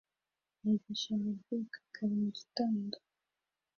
mugisha arabyuka kare mu gitondo